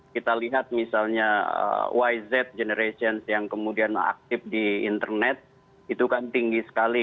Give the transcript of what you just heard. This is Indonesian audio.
kita lihat misalnya yz generations yang kemudian aktif di internet itu kan tinggi sekali